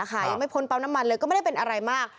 ยังไม่พ้นปั๊มน้ำมันเลยก็ไม่ได้เป็นอะไรมาก